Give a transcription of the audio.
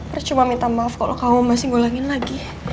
aku hanya minta maaf kalau kamu masih mengulangi lagi